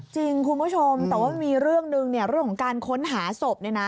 จริงคุณผู้ชมแต่ว่ามันมีเรื่องหนึ่งเรื่องของการค้นหาศพเนี่ยนะ